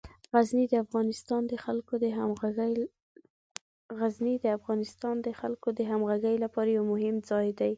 غزني د افغانستان د خلکو د همغږۍ لپاره یو مهم ځای دی.